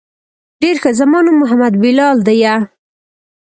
ډېر ښه زما نوم محمد بلال ديه.